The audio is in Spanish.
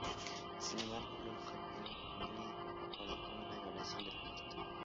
Sin embargo, luego cambió de opinión y ordenó la evacuación del puerto.